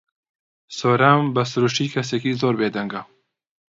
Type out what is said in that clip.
سۆران بە سروشتی کەسێکی زۆر بێدەنگە.